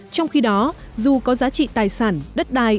trong khi đó dù có giá trị tài sản đất đai